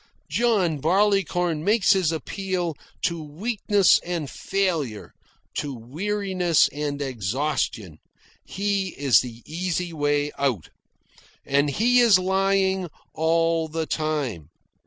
John Barleycorn makes his appeal to weakness and failure, to weariness and exhaustion. He is the easy way out. And he is lying all the time.